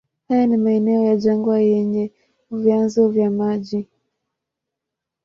Haya ni maeneo ya jangwa yenye vyanzo vya maji.